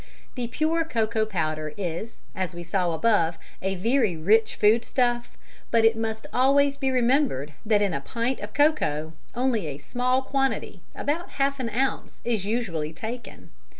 The pure cocoa powder is, as we saw above, a very rich foodstuff, but it must always be remembered that in a pint of cocoa only a small quantity, about half an ounce, is usually taken.